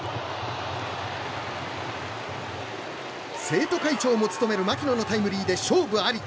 生徒会長も務める牧野のタイムリーで、勝負あり。